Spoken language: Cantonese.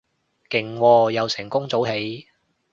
勁喎，又成功早起